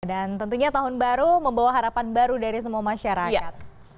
dan tentunya tahun baru membawa harapan baru dari semua masyarakat